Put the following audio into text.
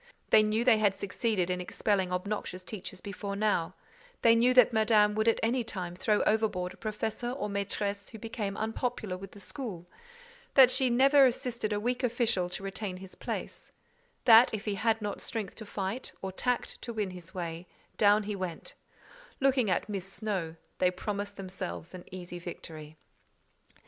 They knew they had succeeded in expelling obnoxious teachers before now; they knew that Madame would at any time throw overboard a professeur or maitresse who became unpopular with the school—that she never assisted a weak official to retain his place—that if he had not strength to fight, or tact to win his way, down he went: looking at "Miss Snowe," they promised themselves an easy victory.